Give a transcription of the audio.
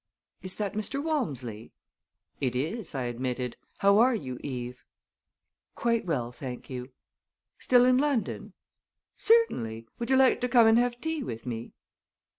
"Is that Mr. Walmsley?" "It is," I admitted. "How are you, Eve?" "Quite well, thank you." "Still in London?" "Certainly. Would you like to come and have tea with me?"